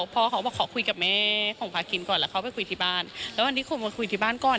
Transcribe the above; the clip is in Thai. พ่อเขาบอกขอคุยกับแม่ของพาคินก่อนแล้วเข้าไปคุยที่บ้านแล้ววันนี้คงมาคุยที่บ้านก่อน